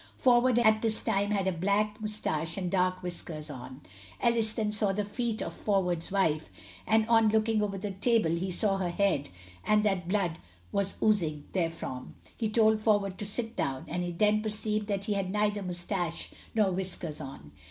Forward at this time had a black moustache and dark whiskers on. Ellis then saw the feet of Forward's wife, and on looking over the table he saw her head, and that blood was oozing therefrom. He told Forward to sit down, and he then perceived that he had neither moustache nor whiskers on.